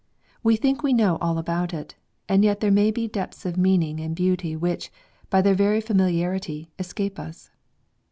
We think we know all about it ; and yet there may be depths of meaning and beauty which, by their very familiarity, escape us.